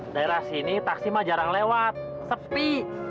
daerah sini taksi mah jarang lewat sepi